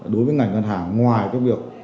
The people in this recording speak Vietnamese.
đối với ngành ngân hàng ngoài cái việc